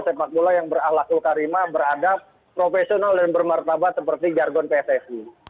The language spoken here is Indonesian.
sepak bola yang berahlahul karima beradab profesional dan bermertabat seperti jargon pssi